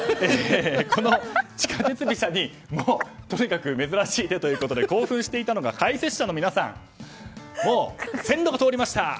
この地下鉄飛車にとにかく珍しい手ということで興奮していたのが解説者の皆さん線路が通りました！